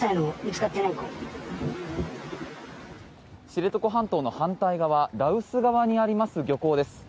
知床半島の反対側羅臼側にあります漁港です。